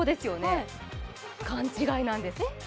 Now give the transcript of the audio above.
勘違いなんです。